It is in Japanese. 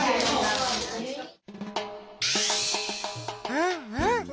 うんうん。